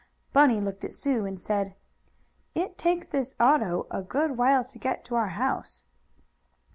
Bunny looked at Sue and said: "It takes this auto a good while to get to our house."